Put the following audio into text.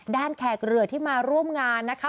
ด้านแครกเรือที่มาร่วมงานนะคะ